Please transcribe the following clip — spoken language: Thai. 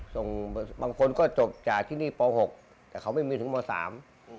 ส่งบางคนก็จบจากที่นี่ป๖แต่เขาไม่มีถึงม๓